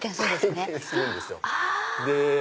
回転するんですよ。